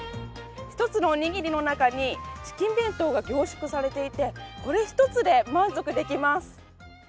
１つのおにぎりの中にチキン弁当が凝縮されていてこれ１つで満足できます。